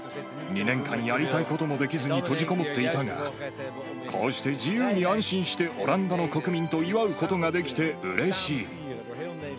２年間、やりたいこともできずに閉じこもっていたが、こうして自由に安心してオランダの国民と祝うことができてうれしい。